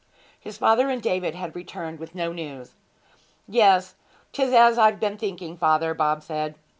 His father and David had returned with no news. 'Yes, 'tis as I've been thinking, father,' Bob said.